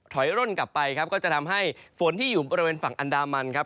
ร่นกลับไปครับก็จะทำให้ฝนที่อยู่บริเวณฝั่งอันดามันครับ